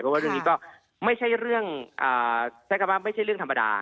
เพราะว่าเรื่องนี้ไม่ใช่เรื่องธรรมดา